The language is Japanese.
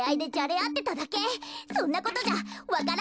そんなことじゃわか蘭